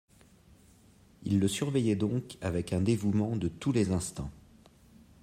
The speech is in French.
Il le surveillait donc avec un dévouement de tous les instants.